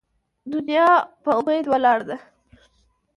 ـ دنيا په اميد ولاړه ده.